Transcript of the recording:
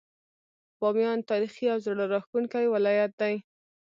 باميان تاريخي او زړه راښکونکی ولايت دی.